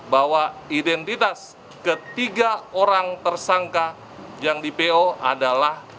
bahwa identitas ketiga orang tersangka yang di po adalah